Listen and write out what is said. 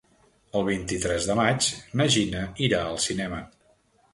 El vint-i-tres de maig na Gina irà al cinema.